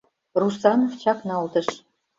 — Русанов чакналтыш.